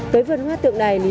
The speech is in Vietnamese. tới vườn hoa tượng đài